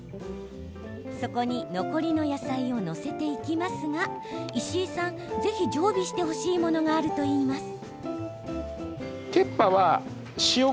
そこに残りの野菜を載せていきますが、石井さんぜひ常備してほしいものがあるといいます。